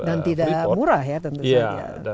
dan tidak murah ya tentu saja